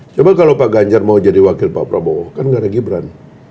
coba kalau pak ganjar mau jadi wakil pak prabowo kan gak ada gibran